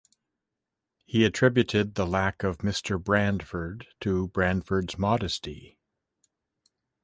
He attributed the lack of "Mr." Bradford to Bradford's modesty.